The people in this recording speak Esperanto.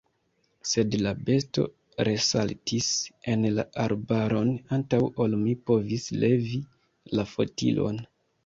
Sed la besto resaltis en la arbaron, antaŭ ol mi povis levi la fotilon.